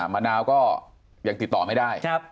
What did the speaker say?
มะนาวก็ยังติดต่อไม่ได้